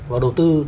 và đầu tư